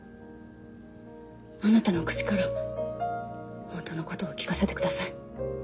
あなたの口から本当の事を聞かせてください。